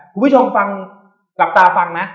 คุณผู้ชมฟังหลับตาฟังนะ